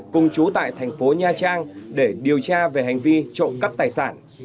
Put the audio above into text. cùng chú tại thành phố nha trang để điều tra về hành vi trộm cắp tài sản